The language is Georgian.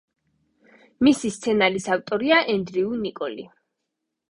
მისი სცენარის ავტორია ენდრიუ ნიკოლი.